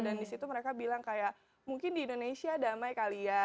dan disitu mereka bilang kayak mungkin di indonesia damai kali ya